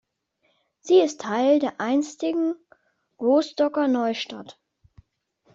Sie ist Teil der einstigen Rostocker Neustadt.